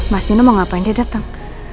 mas dino mau ngapain dia datang